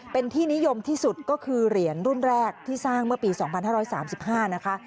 เป็นที่นิยมที่สุดก็คือเหรียญรุ่นแรกที่สร้างเมื่อปี๒๕๓๕นะคะ